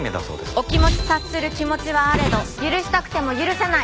「お気持ち察する気持ちはあれど許したくても許せない！」